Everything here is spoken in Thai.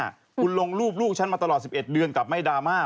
คุณลงรูปลูกฉันมาตลอด๑๑เดือนกลับไม่ดราม่า